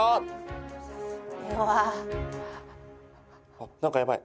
あ何かやばい